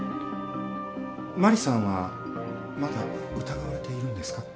真里さんはまだ疑われているんですか？